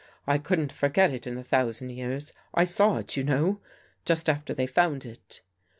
I couldn't forget it in a thousand years. I saw it, you know. Just after they found it."